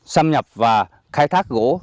xâm nhập và khai thác gỗ